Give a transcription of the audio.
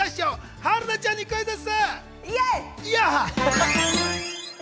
春菜ちゃんにクイズッス！